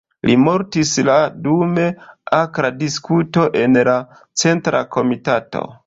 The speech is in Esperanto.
Li mortis la dum akra diskuto en la Centra Komitato.